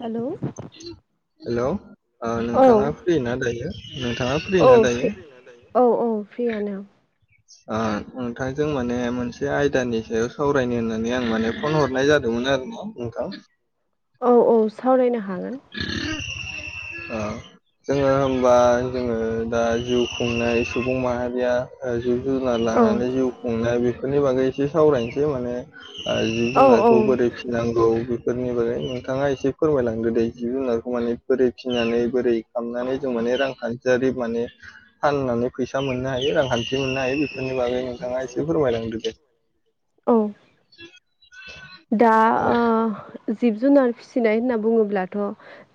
Hello. Hello ओ औ नोंथाङा फ्रि ना दायो नोंथाङा फ्रि ना दायो। औ औ फ्रियानो। ओ नोंथांजों माने मोनसे आयदानि सायाव सावरायनो होननानै आं माने फन हरनाय जादोंमोन। आरो ना नोंथां। औ औ सावरायनो हागोन। ओ जोङो होमबा जोङो दा जिउ खुंनाय सुबुं माहारिया जिब जुनार औ लानानै जिउ खुंनाय बेफोरनि बागै एसे सावरायनोसै माने जिब औ औ जुनारखौ बोरै फिनांगौ बेफोरनि बागै नोंथाङा एसे फोरमायलांदो दै। जिब जुनारखौ माने बोरै फिसिनानै बोरै खालामनानै जों माने रांखान्थि जेरै माने फाननानै फैसा मोननो हायो रांखान्थि [unintelligible] बेफोरनि बागै नोंथाङा एसे फोरमायलांदो दे। औ दा औ ओ जिब जुनार फिसिनाय होनना बुङोब्लाथ'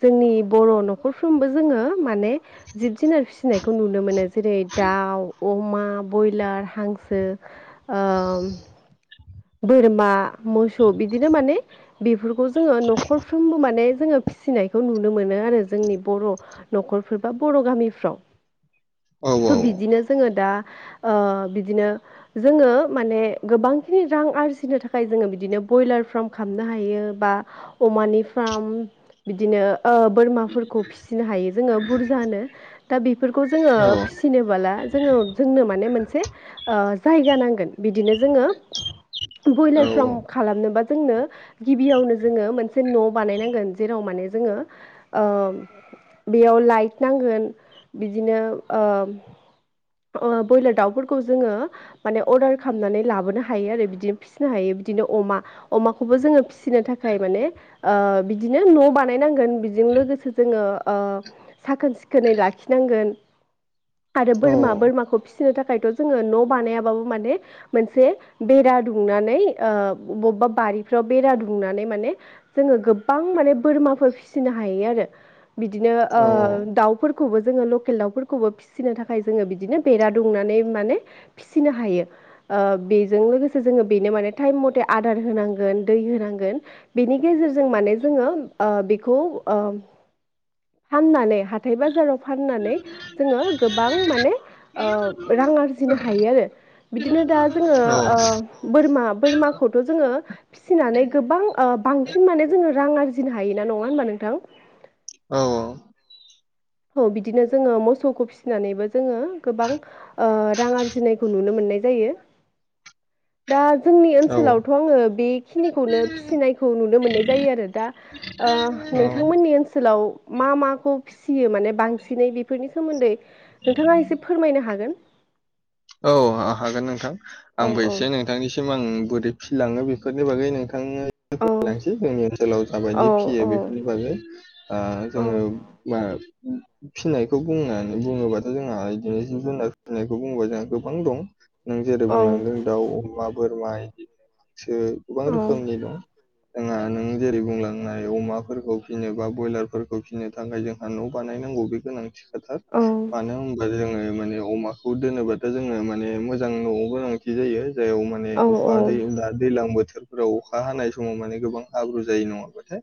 जोंनि बर' न'खरफ्रोमबो जोङो माने जिब जुनार फिसिनायखौ नुनो मोनो जेरै दाउ अमा बयलार, हांसो। ओ [inaudible] बोरमा मोसौ बिदिनो माने बेफोरखौ जोङो न'खरफ्रोमबो माने जोङो फिसिनायखौ नुनो मोनो आरो जोंनि बर' न'खरफोर बा बर' गामिफ्राव। [inaudible] थ' बिदिनो जोङो दा ओ बिदिनो जोङो माने गोबां खिनि रां आरजिनो थाखाय जोङो बिदिनो ब्रयलार फार्म खालामनो हायो बा अमानि फार्म बिदिनो ओ बोरमाफोरखौ फिसिनो हायो जोङो बुरजानो दा बेफोरखौ जोङो फिसिनोबोला जोङो जोंनो माने मोनसे ओ जायगा नांगोन बिदिनो जोङो औ बइलार फार्म खालामनो। बा जोंनो गिबियावनो जोङो मोनसे न' बानायांगोन जेराव माने जोङो ओ बेयाव लाइट नांगोन बिदिनो ओ ओ ब्रयलार दाउफोरखौ जोङो माने अर्डार खालामनानै लाबोनो हा आरो बिदिनो फिसिनो हायो बिदिनो अमा अमाखौबो जोङो फिसिनो थाखाय माने ओ बिदि बिदिनो न' बानायनांगोन बिजों लोगोसे जोङो ओ साखोन सिखोनै लाखिनांगोन। आरो बोरमा बोरमाखौ फिसिनो थाखायथ' जोङो न' बानायाबाबो माने मोनसे बेरा दुंनानै ओ बबेबा बारिफ्राव बेरा दुंनानै माने जोङो गोबां। माने बोरमाफोर फिनो हायो आरो बिदिनो ओ औ दाउफोर फोरखौबो जोङो लकेल दाउफोरखौबो फिसिनो थाखाय जोङो बिदिनो बेरा दुंनानै माने फिसिनो हायो। ओ बे बेजों लोगोसे जोङो बेनो माने ताइम मथे आदार होनांगोन दै होनांगोन बेनि गेजेरजों माने जोङो ओ बेखौ ओ फाननानै हाथाय बाजाराव फाननानै जोङो गोबां माने ओ रां आरजिनो हायो आरो बिदिनो दा जोङो औ ओ बोरमा औ बोरमाखौथ' जोङो फिसिनानै गोबां बांसिन माने जोङो रां आरजिनो हायो ना नङा होनबा नोंथां? औ औ औ बिदिनो जोङो मोसौखौ फिसिनानैबो जोङो गोबां रां ओ आरजिनायखौ नुनो मोनो। नाय जायो। [inaudible] दा जोंनि औ ओनसोलावथ' आङो बेखिनिखौनो फिसिनायखौ नुनो मोननाय जायो आरो दा ओ नोंथांमोननि ओनसोलाव मा माखौ फियो माने बांसिनै बेफोरनि सोमोन्दै नोंथाङा एसे फोरमायनो हागोन। औ आं हागोन नोंथां औ आंबो औ एसे नोंथांनिसिम आं बुदै फिसिलाङो बेफोरनि बागै नोंथाङो औ लांसै जोंनि ओनसोलाव जाबायदि फियो औ बेफोरनि बागै आ औ जोङो [unintelligible] फिनायखौ बुंनानै बुङोबाथ' जोंना इदिनो जिब जुनार फिसिनायखौ बुङोबा जों गोबां दं नों जेरै औ बुंलांदों दाउ अमा बोरमा इदि सो गोबां रोखोमनि दं। जोंहा नों जेरै बुंलांनाय अमा फोरखौ फिनोबा ब्रयलार फोरखौ फिनो थाखाय जोंहा न' बानाय नाय नांगौ बे गोनांथि खाथार मानो होनबा जोङो माने अमाखौ दोनोबा दा जोङो माने मोजां न'आव गोनांथि जायो जाययाव माने अखा दै दैज्लां बोथोर फ्राव अखा हानाय समाव माने गोबां हाब्रु जायो नङा बाथाय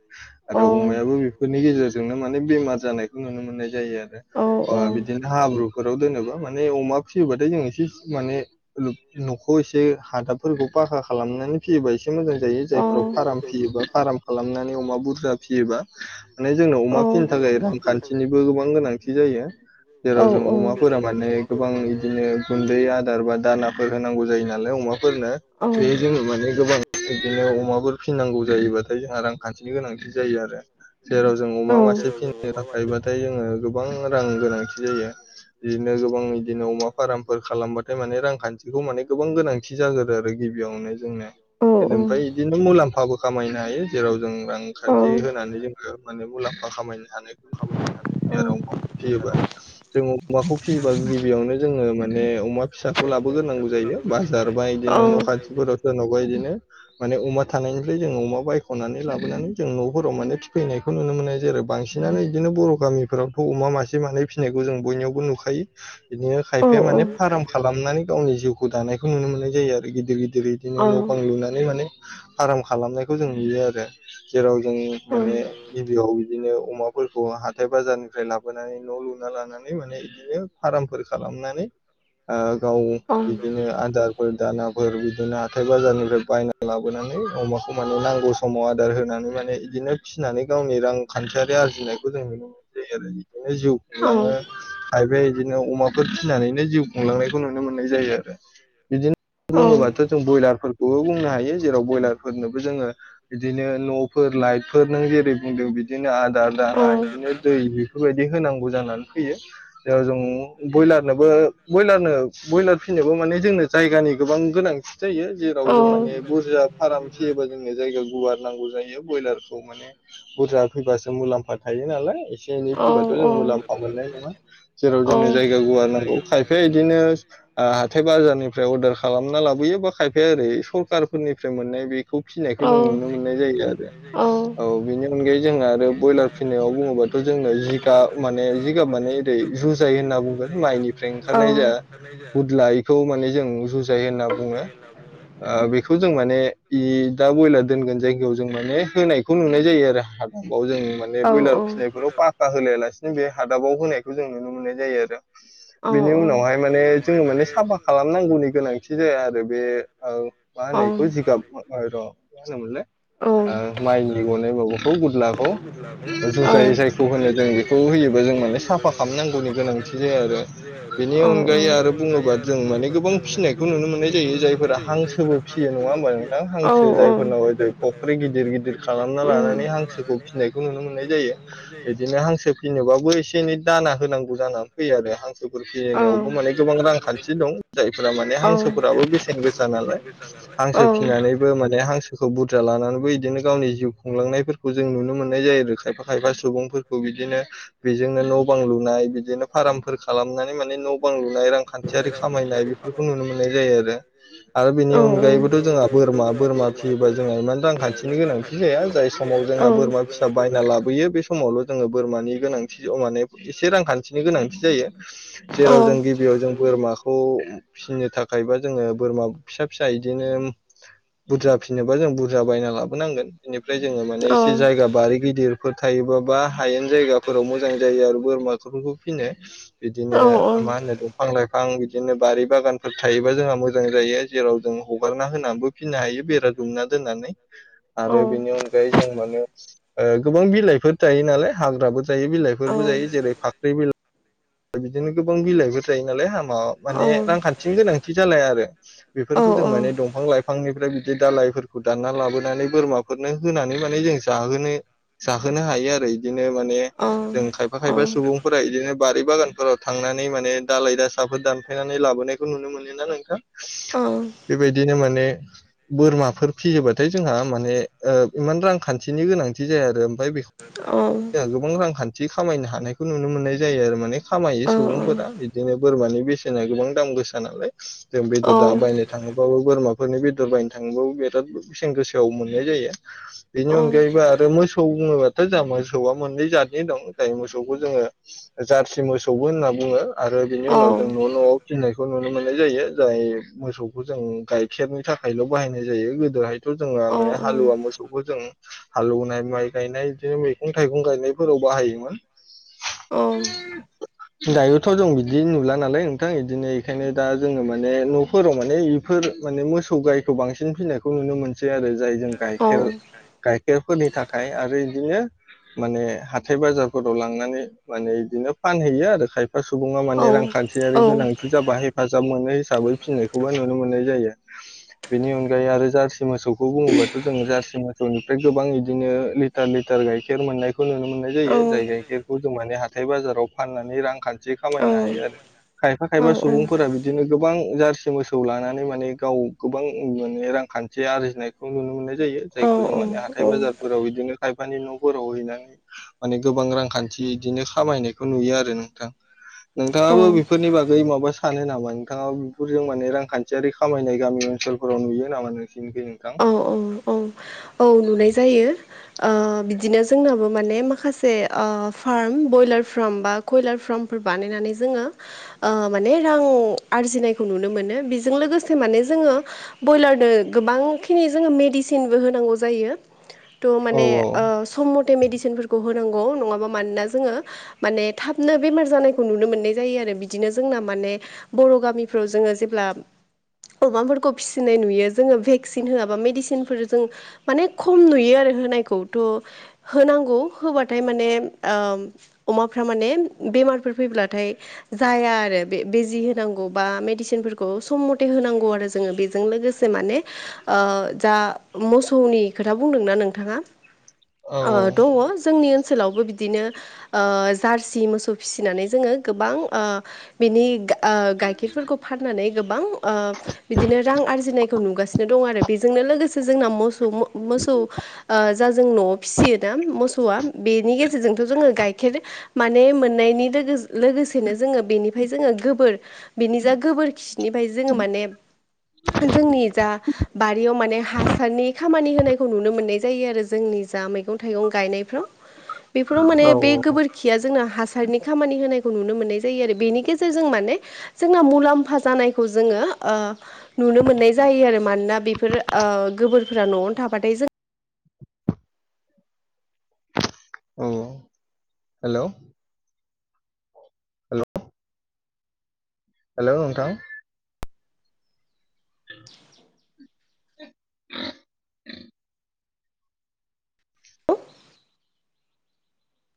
आरो अमायाबो बेफोरनि गेजेरजों जोंनो माने बेमार जानायखौ नुनो मोननाय जायो आरो औ औ औ ओ बिदिनो हाब्रु फोराव दोनोबा माने अमा फिसियो बाथाय जों एसे माने लुफ न'खौ एसे हादाब फोरखौ पाखा खालामनानै फियोबा एसे मोजां जायो जाय फोराव फाराम फियोबा फाराम खालामनानै अमा बुरजा फियोबा माने जोंनाव अमा माने फिनो थाखाय रां खान्थिनिबो गोबां गोनांथि जायो। औ जेराव जों औ अमाफोरा माने गोबां बिदिनो गुन्दै आदार बा दानाफोर होनांगौ जायोना। लाइ अमा फोरनो बे जों माने गोबां बिदिनो अमा फोर फिनांगौ जायोबाथाय जोंहा रां खान्थि नि गोनांथि जायो आरो। जेराव जों अमा मासे फिनो थाखाय बाथाय जोङो गोबां रां गोनांथि जायो। बिदिनो गोबां बिदिनो अमा फाराम फोर खालामबाथाय माने रां खान्थिखौ माने गोबां गोनांथि जागोरो आरो गिबियावनो जोंनो औ ओमफ्राय बिदिनो मुलाम्फाबो खामायनो हायो जेराव जों रांखान्थि होनानै जोङो माने मुलाम्फा खामायनो हानाय जेराव सोरनाबा बिदिनो न' खाथिफोराव सोरनाबा अमाखौ फियोबा जों अमाखौ फियोबा गिबियावनो जोङो माने अमा फिसाखौ लाबो गोरनांगौ जायो। बाजारबा इदिनो न' खाथि फोराव सोरनावबा इदिनो माने अमा थानाय निफ्राय जोंङो अमा बायख'नानै लाबोनानै जों न' फोराव माने फिफैनायखौ नुनो मोनो जेरै बांसिनानो बिदिनो बर' गामि फोरावथ' अमा मासे मानै फिनायखौ जों बयनियावबो नुखायो बिदिनो खायफाया माने फाराम खालामनानै गावनि जिउखौ दानाय बेखौ नुनो मोननाय जायो आरो गिदिर गिदिर इदिनो न' बां लुनानै माने फाराम खालामनायखौ जों नुयो आरो जेराव जों माने गिबियाव बिदिनो अमा खौ हाथाय बाजार निफ्राय लाबोनानै न' लुना लानानै माने बिदिनो फारामफोर खालामनानै ओ गाव औ बिदिनो आदार फोर दाना फोर बिदिनो हाथाइ बाजार निफ्राय बायना लाबोनां नै अमाखौ माने नांगौ समाव आदार होनानै माने इदिनो फिसिनानै गावनि रां खान्थियारि आरजि नायखौ जों नुनो मोनो। जायो आरो बिदिनो जिउ खुंलाङो खायफाया बिदिनो अमा फिनानैनो जिउ खुंलांनायखौ नुनो मोननाय जायो आरो बिदिनो बुङो बाथ' जों ब्रयलार फोरखौबो बुंनो हायो जेराव ब्रयलार फोरनोबो जोङो बिदिनो न' फोर लाइटफोर नों जेरै बुंदों बिदिनो आदार दाना बिदिनो बेफोर बायदि होनांगौ जानानै फैयो जेराव जों बयलार नोबो बयलारनो बयलार फिनोबो माने जोंनो जायगानि गोबां गोनांथि जायो जेराव आव जों माने बुरजा फाराम फियोबा जोंनो जायगा गुवार नांगौ जायो बयलारखौ माने बुरजा फिसाजो मुलाम्फा थायो नालाय। एसे एनै फिबाथ' जों औ मुलाम्फा मोननाय नङा जेराव जोंनो जायगा गुवार नांगौ खायफाया इदिनो आ हाथाय बाजार निफ्राय अर्डार खालामना लाबोयो बा खायफाया ओरै सरखार फोरनिफ्राय मोननाय बे खौ फिनायखौ जों औ नुनो मोननाय जायो आरो औ बेनि अनगायै जों आरो बयलार फिनायाव बुङोबा जोंनो जिगाब माने जिगाब माने ओरै जुजाय होनना बुङो। माइ निफ्राय ओंखारनाय जा गुदला बेखौ माने जों जुजाय होनना बुङो ओ बेखौ जों माने इ दा बयलार दोनगोन जायगायाव जों माने होनायखौ नुनाय जायो आरो हाग बाव जों माने बयलार ओमफ्राय फिनाय फोराव पाखा होलाया लासिनो बे हादाबाव होनायखौ जों नुनो मोननाय जायो आरो। जायखौ बिनि होनो उनावहाय माने जोङो माने साफा खालामनांगौनि गोनांथि जाया आरो बे ओ मा होनो इखौ जिगाब र' मा होनो मोनलाय? ओ माइनि गनाय माबाखौ गुदलाखौ जुजाय जायखौ होनो जों बेखौ होयोबो जों माने साफा खालामनांगौनि गोनांथि जा या आरो बेनि अनगायै आरो बुङोबा जों माने गोबां फिनायखौ नुनो मोननाय जायो जायफोरा हां सोबो फियो नङा होमबा नोंथां हांसो जाय फोरनाव फख्रि गिदिर गिदिर खालामना लानानै हांसोबो फिनायखौ नुनो मोननाय जायो बिदिनो हांसो फिन बाबो एसे एनै दाना होनांगौ जानानै फैयो आरो हां सोफोर फिनायावबो माने गोबां रांखान्थि दं जायफोरा माने हांसोफोराबो बेसेन गोसा नालाय। हांसो फिनानैबो माने हांसोखौ बुरजा लानानै बिदिनो गावनि जिउ खुंलांनायफोरखौ जों नुनो मोननाय जायो आरो खायफा खायफा सुबुंफोरखौ बिदिनो बि बिजोंनो न' बां लुनाय बिदिनो फारामफोर खालामनानै माने न' बां लुनाय रांखान्थियारि खामायनाय बेफोरखौ नुनो मोननाय जायो आरो। आरो बिनि अनगायैबोथ' जोंहा बोरमा बोरमा फियोबा जोंहा इमान रांखान्थिनि गोनांथि जाया जाय समाव जोंना बोरमा फिसा बायना लाबोयो बे समावल' जोङो बोरमानि गोनांथि माने इसे रांखान्थि नि गोनांथि जायो, जेराव जों जायो गिबियाव जों बोरमाखौ फिसिनो थाखाय जोङो बोरमा फिसा फिसा इदिनो बुरजा फिनोबा जों बुरजा बायना लाबोनांगोन। ओमफ्राय जोङो माने औ एसे जायगा बारि गिदिरफोर थायोबाबा हायेन जायगाफोराव मोजां जायो आरो बोरमाफोरखौ फिनो बिदिनो औ औ मा होनो दंफां लाइफां बिदि नो बारि बागानफोर थायोबा जोंहा मोजां जायो जेराव जों हगारना होनानैबो फिनो हायो बेरा दुमना दोननानै, औ आरो बेनि अनायै जों माने गो गोबां बिलाइफोर जायो नालाय हाग्राबो जायो बिलाइफोरबो औ जायो जेरै फाख्रि बिला बिदिनो गोबां बिलाइफोर थायो नालाय हाम ओ माने औ रांखान्थिनि गोनांथि जालाया आरो बेफोरखौ जों औ माने दंफां लायफांनिफ्राय बिदि दालाय फोरखौ दानना लाबोनानै बोरमाफोरनो होनानै माने जों जाहोनो जाहोनो हायो आरो इदिनो माने जों औ खायफा खायफा औ सुबुंफोर इदिनो बारि बागानफोराव थांनानै माने दालाय दासाफोर दानफायनानै लाबोनायखौ नुनो मोनोना नोंथां। औ बेबायदिनो माने बोरमाफोर फियोबाथाय जोंहा माने इमान रांखान्थिनि गोनांथि जाया आरो ओमफ्राय [inaudible] गोबां रांखान्थि बिदि खामायनो हानायखौ नुनो मोननाय जायो आरो माने खामायो सुबुंफोरा बिदिनो बोरमानि बेसे ना गोबां दाम गोसा नालाय जों बेदर बायनो थाङोबाबो बोरमा फोरनि बेदर बायनो थाङोबाबो बिराद बेसेन गोसायाव मोननाय जायो। औ बेनि अनगायैबो आरो मोसौ बुङोबाथ' जोंहा मोसौआ मोननै जादनि दं जाय मोसौखौ जोङो जारसि मोसौबो होनना बुङो आरो बिनि उनाव जों न' न'आव फिनाय खौ नुनो मोननाय जायो। जाय मोसौखौ जों गाइखेरनि थाखायल' बाहायनाय जायो गोदोहायथ' जोङो औ माने हालुवा मोसौखौ जों हालौवनाय माइ गायनाय बिदिनो मैगं थाइगं गायनायफोराव बाहायोमोन। औ दायोथ' जों बिदि नुला नालाय नोंथां बिदिनो बेखायनो दा जोङो माने न'फोराव माने बेफोर माने मोसौ गायखौ बांसिन फिनायखौ नुनो मोनसै आरो जाय जों गाइखेर गाइखेर फोरनि थाखाय आरो बिदिनो माने हाथाय बाजारफोराव लांनानै माने बिदिनो फानहैयो आरो खायफा सुबुङा माने रांखान्थियारि गोनांथि जाबा हेफाजाब मोनो। थाबै फिननायखौबो नुनो मोननाय जायो। बेनि अनगायै आरो जार्सि मोसौखौ बुङोबाथ' जोङो जार्सि मोसौनिफ्राय गोबां बिदिनो लिटार लिटार गाइखेर मोननायखौ नुनो मोननाय जायो। जाय गाइखेरखौ जों माने हाथाय बाजाराव फाननानै रांखान्थि खामायनो हायो आरो खायफा खायफा सुबुंफोरा बिदिनो गोबां जारसि मोसौ लानानै माने गाव गोबां माने रांखान्थि आरजिनायखौ नुनो मोननाय जायो। जायखौ जों माने हाथाय बाजारफोराव बिदिनो खायफानि न'फोराव हैनानै माने गोबां रांखान थि इदिनो खामायनायखौ नुयो आरो नोंथां नोंथाङाबो औ औ बेफोरनि बागै माबा सानो नामा? नोंथाङा बेफोरजों माने रांखान्थियारि खामायनाय गामि ओनसोलफोराव नुयो नामा नोंसिोरनिखै नोंथां? औ औ औ औ नुनाय जायो। ओ बिदिनो जोंनाबो माने मा खासे ओ फार्म बयलार फार्म बा कयलार फार्मफोर बानायनानै जोङो ओ माने रां आरजिनायखौ नुनो मोनो बेजों लोगोसे माने जोङो बयलारनो गोबां खिनि जोङो मेदिसिनबो होनांगौ जायो। थ' औ माने ओ सम मथे मटे मेडिसिनफोरखौ होनांगौ नङाबा मानोना जोङो माने थाबनो बेमार जानायखौ नुनो मोननाय जायो आरो आरो बिदिनो जोंना माने बर' गामिफ्राव जोङो जेब्ला अमाफोरखौ फिसिनाय नुयो जोङो भेक्सिन होआबा मेदिसिन फोर जों माने खम नुयो आरो होनायखौथ' होनांगौ होबाथाय माने अमाफ्रा माने बेमारफोर फैब्लाथाय जाया आरो बे बिजि होनांगौ बा मेडिसिनफोरखौ सम मथे होनांगौ आरो जोङो बेजों लोगोसे माने जा मोसौनि खोथा बुंदोंना नोंथाङा औ दङ जोंनि ओन सोलावबो बिदिनो जारसि मोसौ फिसिनानै जोङो गोबां बिनि गा गाइखेरफोरखौ फाननानै गोबां बिदिनो रां आरजिनायखौ नुगासिनो दं आरो बेजोंनो लोगोसे जोंना मोसौ मोसौ जा जों न'आव फिसियोना मोसौआ बेनि गेजेरजोंथ' जोङो गाइखेर माने मोननायनि लोगो लोगोसेनो जोङो बेनिफ्राय जोङो गोबोर बेनि जा गोबोरखि निफाय जोङो माने जोंनि जा बारियाव माने हास सारनि खामानि होनायखौ नुनो मोननाय जायो आरो जोंनि जा मैगं थाइगं गायनायफ्राव। बेफोराव माने औ बे गोबोरखिया जोंना हासारनि खामानि होनायखौ नुनो मोननाय जायो आरो बेनि गेजेरजों माने जोंना मुलाम्फा जानायखौ जोङो नुनो मोननाय जायो आरो मानोना बेफोर गोबोरफोरा न'आवनो थाबाथाय जों औ हेलौ हेलौ हेलौ नोंथां [inaudible] जों